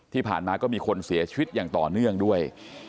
ที่ผ่านมาก็มีคนเสียชีวิตอย่างต่อเนื่องด้วย